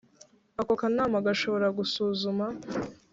Ako Kanama gashobora gusuzuma